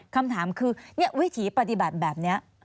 คำถามคือวิถีปฏิบัติแบบนี้